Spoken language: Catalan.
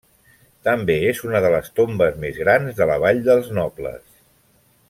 També és una de les tombes més grans de la Vall dels Nobles.